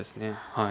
はい。